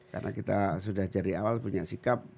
karena kita sudah dari awal punya sikap